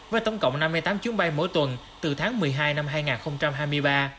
với tổng cộng năm mươi tám chuyến bay mỗi tuần từ tháng một mươi hai năm hai nghìn hai mươi ba